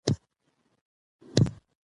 ښځې باید د زدهکړې لپاره هڅه وکړي.